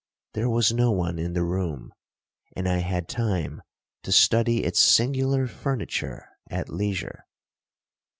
There was no one in the room, and I had time to study its singular furniture at leisure.